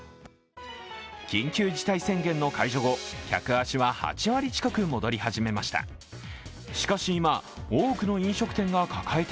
緊急事態宣言の解除後、客足は８割近く戻り始めました。